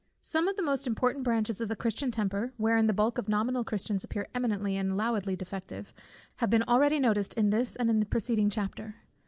Some of the most important branches of the Christian temper, wherein the bulk of nominal Christians appear eminently and allowedly defective, have been already noticed in this and in the preceding chapter.